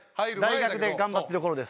大学で頑張ってる頃です。